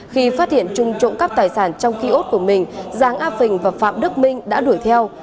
khi phát hiện trung trộm cắp tài sản trong kiosk của mình giàng a phình và phạm đức minh đã đuổi theo